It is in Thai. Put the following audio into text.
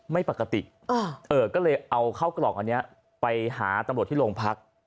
ไม่ปกติก็เลยเอาเข้ากล่องอันนี้ไปหาตำรวจที่โรงพัก